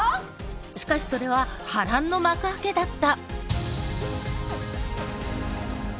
しかしそれは波乱の幕開けだった。